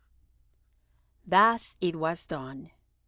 Thus it was done.